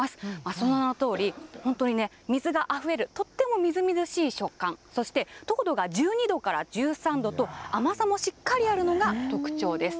その名のとおり水があふれるとってもみずみずしい食感そして糖度が１２度から１３度と甘さもしっかりあるのが特徴です。